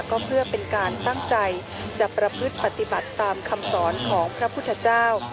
ก็เพื่อเป็นการตั้งใจจะประพฤติปฏิบัติตามคำสอนของพระพุทธเจ้า